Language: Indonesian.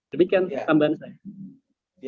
demikian tambahan saya